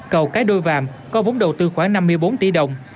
cầu cái đôi vàm có vốn đầu tư khoảng năm mươi bốn tỷ đồng